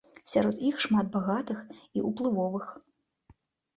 Сярод іх шмат багатых і ўплывовых.